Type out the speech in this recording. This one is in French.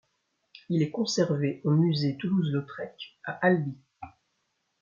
Il est conservé au musée Toulouse-Lautrec à Albi.